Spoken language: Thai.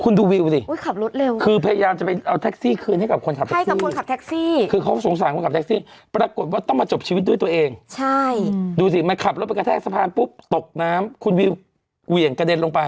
คุณดูวิวสิอุ้ยขับรถเร็วคือพยายามจะไปเอาแท็กซี่คืนให้กับคนขับใช่คือคนขับแท็กซี่คือเขาสงสารคนขับแท็กซี่ปรากฏว่าต้องมาจบชีวิตด้วยตัวเองใช่ดูสิมันขับรถไปกระแทกสะพานปุ๊บตกน้ำคุณวิวเหวี่ยงกระเด็นลงไป